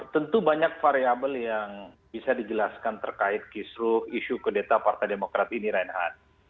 tentu banyak variabel yang bisa dijelaskan terkait kisru isu kedeta partai demokrat ini reinhard